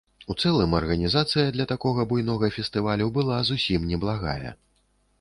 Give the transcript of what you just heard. У цэлым арганізацыя для такога буйнога фестывалю была зусім неблагая.